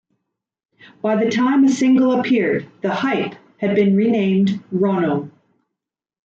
By the time a single appeared, The Hype had been renamed Ronno.